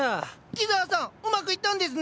木沢さんうまくいったんですね！